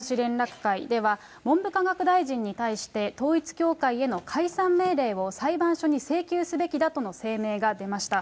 今月１６日の弁護士連絡会では、文部科学大臣に対して、統一教会への解散請求を裁判所に請求すべきだとの声明が出ました。